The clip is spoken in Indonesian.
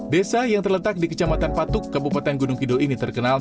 desa yang terletak di kecamatan patuk kabupaten gunung kidul ini terkenal